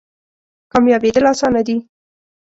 کامیابیدل اسانه دی؟